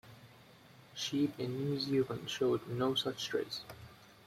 Sheep in New Zealand showed no such trace.